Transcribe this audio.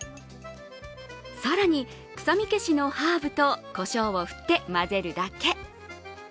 更に、臭み消しのハーブとこしょうを振って、まぜるだけ。